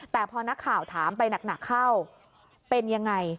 แต่พอนักข่าวถามไปหนักเข้าเป็นยังไง